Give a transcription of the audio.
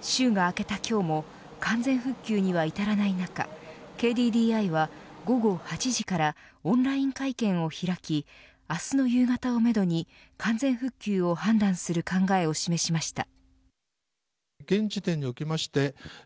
週が明けた今日も完全復旧には至らない中ＫＤＤＩは午後８時からオンライン会見を開き明日の夕方をめどに完全復旧を判断する考えを示しました。